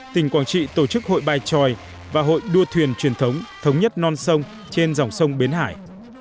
tỉnh quảng trị tổ chức hội bài tròi và hội đua thuyền truyền thống thống nhất non sông trên dòng sông bến hải